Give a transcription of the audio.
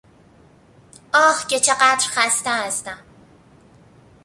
آه که چقدر خسته هستم!